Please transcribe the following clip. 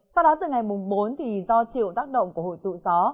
sau đó từ ngày bốn do triệu tác động của hội tụ gió